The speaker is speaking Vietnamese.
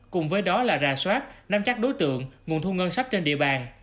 cùng với đó là ra soát nắm chắc đối tượng nguồn thu ngân sách trên địa bàn